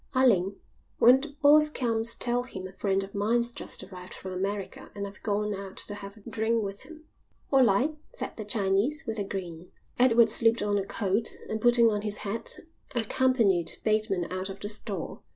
"Ah Ling, when the boss comes tell him a friend of mine's just arrived from America and I've gone out to have a drain with him." "All light," said the Chinese, with a grin. Edward slipped on a coat and, putting on his hat, accompanied Bateman out of the store.